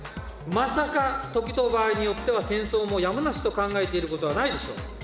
まさか、時と場合によっては戦争もやむなしと考えていることはないでしょ